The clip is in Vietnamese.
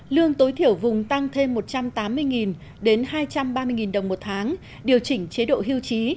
lương tối thiểu vùng tăng thêm một trăm tám mươi đến hai trăm ba mươi đồng một tháng điều chỉnh chế độ hưu trí